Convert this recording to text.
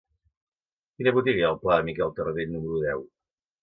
Quina botiga hi ha al pla de Miquel Tarradell número deu?